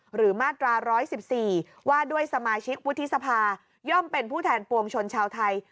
หรือมาตรา๑๑๔ว่าด้วยสมาชิกวุฒิสภาย่อมเป็นผู้แทนปวงชนชาวไทย